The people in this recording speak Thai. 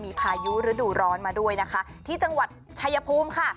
มีพายุฤดูร้อนมาด้วยนะคะที่จังหวัดชายภูมิค่ะ